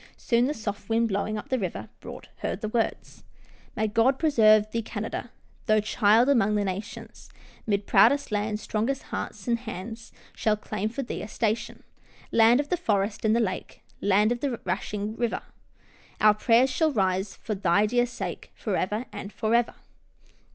Soon the soft wind blowing up the river brought her the words: 160 'TILDA JANE'S ORPHANS " May God preserve thee, Canada, Tho' child among the nations, 'Mid proudest lands, strong hearts and hands, Shall claim for thee a station. "Land of the forest and the lake, Land of the rushing river. Our prayers shall rise for thy dear sake, Forever and forever."